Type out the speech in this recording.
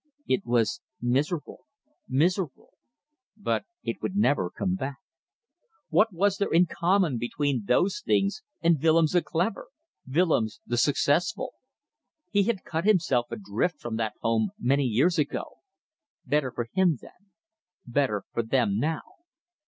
It was miserable, miserable. But it would never come back. What was there in common between those things and Willems the clever, Willems the successful. He had cut himself adrift from that home many years ago. Better for him then. Better for them now.